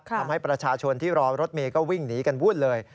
ทำให้ประชาชนที่รอรถเมย์ก็วิ่งหนีกันวุ่นเลย